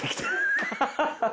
アハハハ！